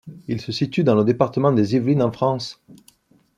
Il se situe dans le département des Yvelines en France.